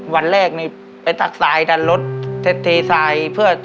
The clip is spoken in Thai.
วันแรกนี่ไปตักทรายดันรถเททรายเพื่อ